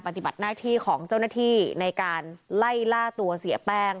ปฏิบัติหน้าที่ของเจ้าหน้าที่ในการไล่ล่าตัวเสียแป้ง